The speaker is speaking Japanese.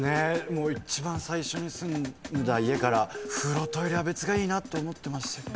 もう一番最初に住んだ家から風呂・トイレは別がいいなって思ってました。